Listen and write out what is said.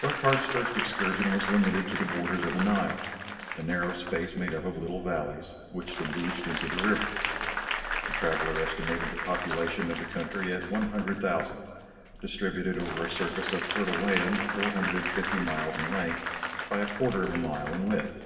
Burckhardt's first excursion was limited to the borders of the Nile, a narrow space made up of little valleys, which debouched into the river. The traveller estimated the population of the country at 100,000, distributed over a surface of fertile land 450 miles in length, by a quarter of a mile in width.